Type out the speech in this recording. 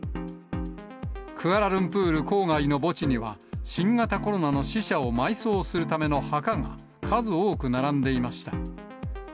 クアラルンプール郊外の墓地には、新型コロナの死者を埋葬するための墓が、数多く並んでいました。